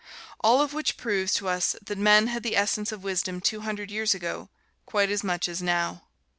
All of which proves to us that men had the essence of wisdom two hundred years ago, quite as much as now.